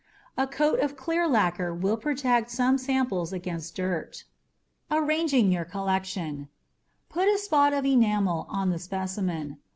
A coat of clear lacquer will protect some samples against dirt. Arranging Your Collection Put a spot of enamel on the specimen.